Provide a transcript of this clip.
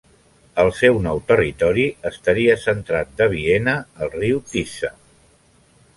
El seu nou territori estaria centrat de Viena al riu Tisza.